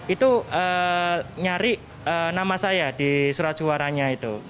itu nyari nama saya di surat suaranya itu